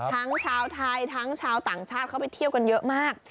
ทั้งชาวไทยทั้งชาวต่างชาติเข้าไปเที่ยวกันเยอะมาก